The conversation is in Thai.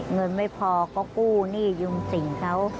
เงินไม่พอก็กู้หนี้ยุงสิ่งเขา